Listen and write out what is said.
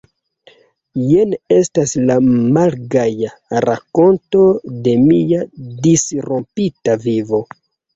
Jen estas la malgaja rakonto de mia disrompita vivo.